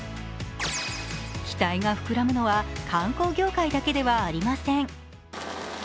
期待が膨らむのは観光業界だけではありません。